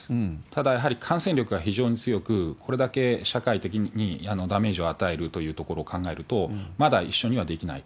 ただ、やはり感染力が非常に強く、これだけ社会的にダメージを与えるというところを考えると、まだ一緒にはできない。